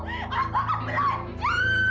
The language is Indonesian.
aku akan belanja